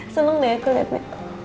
seneng deh aku liatnya